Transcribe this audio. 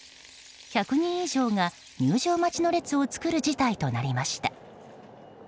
１００人以上が入場待ちの列を作る事態となりました。